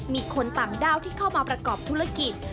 มีคนต่างด้าวที่เข้ามาประกอบธุรกิจ